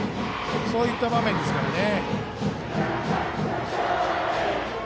そういった場面ですからね。